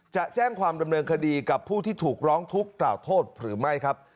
จะแจ้งความดำเนินคดีกับผู้ที่ถูกร้องทุกข์กล่าวโทษหรือไม่ครับ